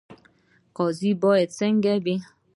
قاضي باید څنګه وي؟